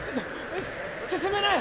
進めない！